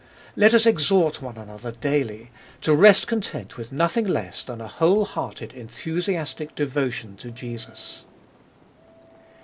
Let us exhort one another daily, to rest content with nothing less than a whole hearted enthusiastic devotion to Jesus.